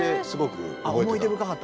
思い出深かった？